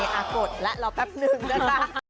โอเคอะกดแล้วรอแป๊บนึงด้วยค่ะ